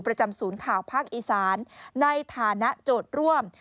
ประจำศูนย์ข่าวภาคอีสานในฐานะโจทย์ร่วม